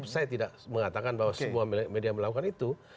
saya tidak mengatakan bahwa semua media melakukan itu